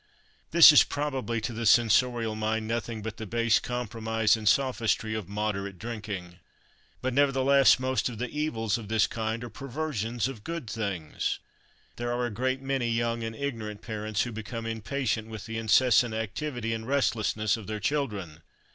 This is probably to the censorial mind nothing but the base compromise and sophistry of "moderate drinking." But nevertheless most of the evils of this kind are perversions of good things. There are a great many young and ignorant parents who become impatient with the incessant activity and restlessness of their children.